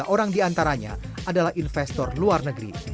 tujuh puluh tiga orang di antaranya adalah investor luar negeri